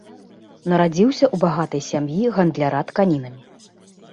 Нарадзіўся ў багатай сям'і гандляра тканінамі.